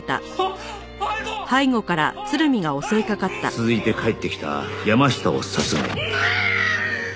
続いて帰ってきた山下を殺害